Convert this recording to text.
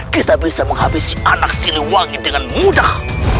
kita bisa menghabisi anak siliwangi dengan mudah